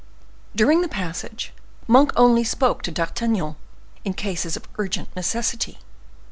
During the passage, Monk only spoke to D'Artagnan in cases of urgent necessity.